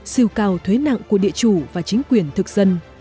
siêu cao thuế nặng của địa chủ và chính quyền thực dân